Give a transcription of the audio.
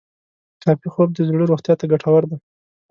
کافي خوب د زړه روغتیا ته ګټور دی.